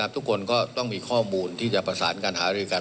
ทุกคนก็ต้องมีข้อมูลที่จะประสานการหารือกัน